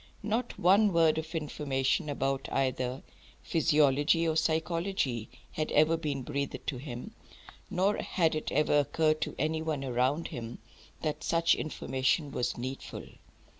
Not one word of information about either physiology or psychology had ever been breathed to him, nor had it ever occurred to any one around him that such information was needful.